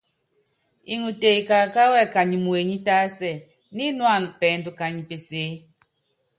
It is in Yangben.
Iŋute ikakáwɛ kányi muenyí tásɛ, nínuána pɛɛndu kanyi pesèe.